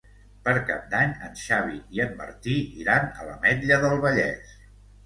Per Cap d'Any en Xavi i en Martí iran a l'Ametlla del Vallès.